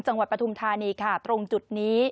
จังหวัดปฐุมธานีตรงจุดนี้